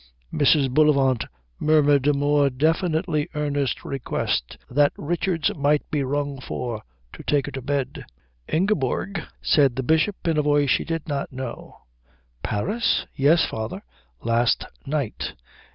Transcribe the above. Mrs. Bullivant murmured a more definitely earnest request that Richards might be rung for to take her to bed. "Ingeborg," said the Bishop in a voice she did not know. "Paris?" "Yes, father last night."